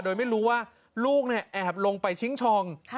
โดยไม่รู้ว่าลูกแอบลงไปชิงชอง